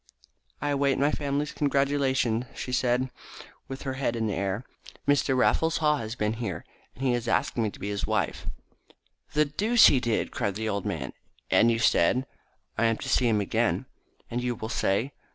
"I await my family's congratulations," she said, with her head in the air. "Mr. Raffles Haw has been here, and he has asked me to be his wife." "The deuce he did!" cried the old man. "And you said ?" "I am to see him again." "And you will say